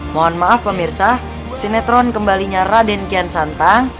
mohon maaf pemirsa sinetron kembalinya raden kian santang